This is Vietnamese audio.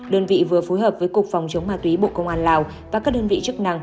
đơn vị vừa phối hợp với cục phòng chống ma túy bộ công an lào và các đơn vị chức năng